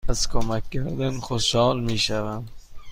از کمک کردن خوشحال می شوم.